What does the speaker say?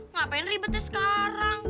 ngapain ribetnya sekarang